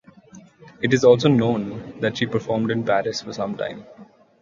It is also known that she performed in Paris for some time.